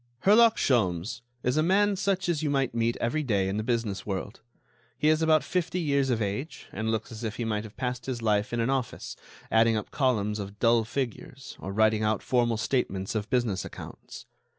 Herlock Sholmes is a man such as you might meet every day in the business world. He is about fifty years of age, and looks as if he might have passed his life in an office, adding up columns of dull figures or writing out formal statements of business accounts.